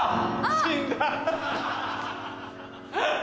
死んだ。